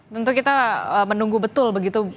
tentu kita menunggu betul begitu